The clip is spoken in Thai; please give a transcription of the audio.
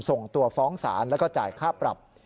ส่งตัวฟ้องศาลแล้วก็จ่ายค่าปรับ